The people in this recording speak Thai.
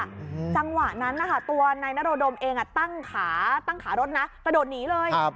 จังหวะนั้นตัวนายนรโดมเองตั้งขารถกระโดดหนีเลย